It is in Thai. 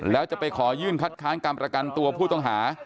แล้วจะไปขอยื่นคัดค้านการประกันตัวผู้ต้องหา